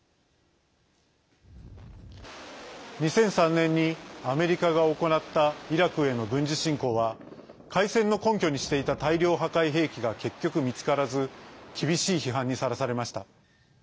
２００３年にアメリカが行ったイラクへの軍事侵攻は開戦の根拠にしていた大量破壊兵器が結局、見つからず厳しい批判にさらされました。